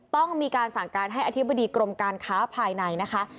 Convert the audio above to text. ต้องมีการสั่งการให้อธิบดีกรมการค้าภายในนะคะ